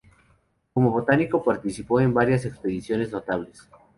Como botánico participó en varias expediciones notables.